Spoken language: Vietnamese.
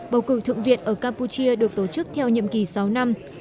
bầu cử thượng viện ở campuchia được tổ chức theo nhiệm kỳ sáu năm